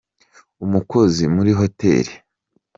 umukozi muri hotel.